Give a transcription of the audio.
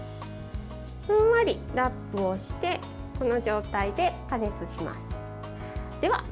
ふんわりラップをしてこの状態で加熱します。